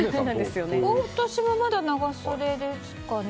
私もまだ長袖ですかね。